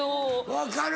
分かる。